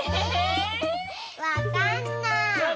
⁉わかんない。